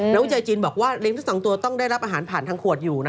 ภูมิใจจีนบอกว่าริงทั้ง๒ตัวต้องได้รับอาหารผ่านทั้งขวดอยู่นะแคะ